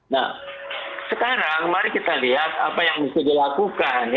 nah sekarang mari kita lihat apa yang mesti dilakukan